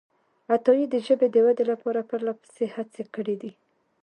عطایي د ژبې د ودې لپاره پرلهپسې هڅې کړې دي.